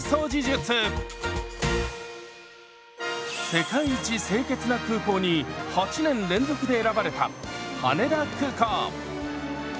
「世界一清潔な空港」に８年連続で選ばれた羽田空港。